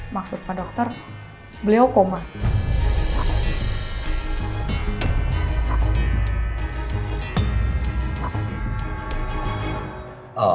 maksud pak dokter beliau koma